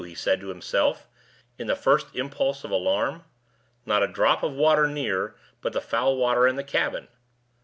he said to himself, in the first impulse of alarm. "Not a drop of water near, but the foul water in the cabin."